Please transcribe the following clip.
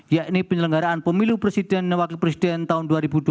yakni penyelenggaraan pemilu presiden dan wakil presiden tahun dua ribu dua puluh